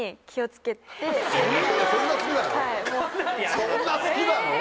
そんな好きなの？